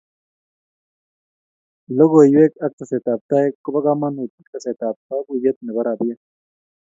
Logoiywek ak tesetab tai ko bo kamanut eng tesetab kaguyet nebo rabia